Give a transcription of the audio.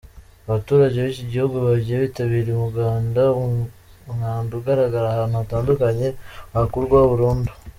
Abatugage b’iki gihugu bagiye bitabira umugada, umwanda ugaragara ahantu hatandukanye wakurwaho burundu.